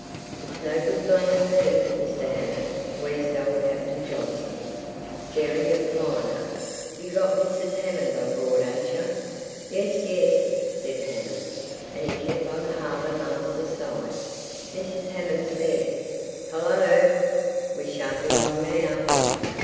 "It's no good blaming me, Mr. Hammond," wheezed old Captain Johnson, staring at the liner. "You got Mrs. Hammond on board, ain't yer?" "Yes, yes!" said Hammond, and he kept by the harbour master's side. "Mrs. Hammond's there. Hul lo! We shan't be long now!"